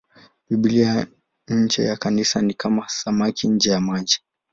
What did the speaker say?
Biblia nje ya Kanisa ni kama samaki nje ya maji.